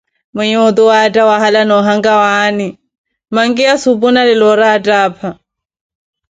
mwinyi otu waatta wahala na ohankawaani, mankini ya supu nalelo ori attapha.